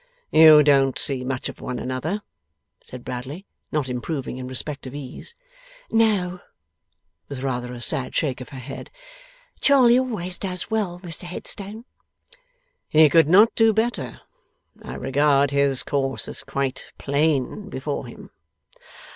'You don't see much of one another,' said Bradley, not improving in respect of ease. 'No.' With a rather sad shake of her head. 'Charley always does well, Mr Headstone?' 'He could not do better. I regard his course as quite plain before him.